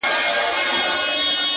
• زه به دا ټول كندهار تاته پرېږدم،